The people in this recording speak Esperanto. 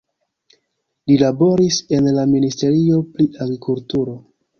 Li laboris en la Ministerio pri Agrikulturo.